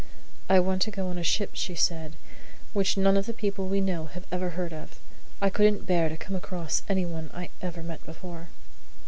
"I want to go on a ship," she said, "which none of the people we know have ever heard of. I couldn't bear to come across anyone I ever met before."